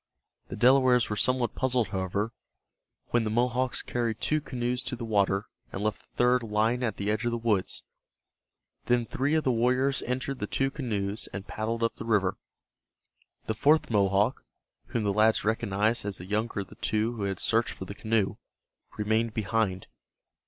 The Delawares were somewhat puzzled, however, when the Mohawks carried two canoes to the water, and left the third lying at the edge of the woods. Then three of the warriors entered the two canoes and paddled up the river. The fourth Mohawk, whom the lads recognized as the younger of the two who had searched for the canoe, remained behind.